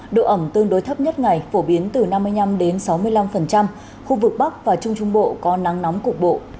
độ ẩm tương đối thấp nhất ngày phổ biến từ năm mươi năm sáu mươi năm khu vực bắc và trung trung bộ có nắng nóng cục bộ